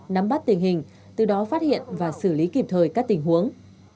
nắm bắt tình hình từ đó phát hiện và xử lý kịp thời các tình huống